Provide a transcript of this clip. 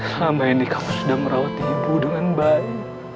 selama ini kamu sudah merawat ibu dengan baik